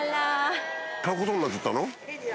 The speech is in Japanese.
買うことになっちゃったの？